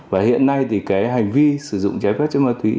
và hiện nay thì cái hành vi sử dụng trái phép chất ma túy